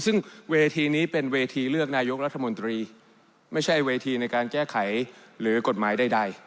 ซึ่งเวทีนี้เป็นเวทีเลือกนายกรัฐมนตรีไม่ใช่เวทีในการแก้ไขหรือกฎหมายใด